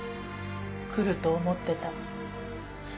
来ると思ってた。